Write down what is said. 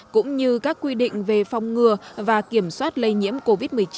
cũng như các quy định về phòng ngừa và kiểm soát lây nhiễm covid một mươi chín